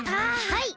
はい。